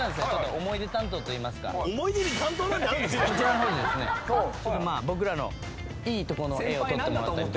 こちらの僕らのいいとこの画を撮ってもらったりとか。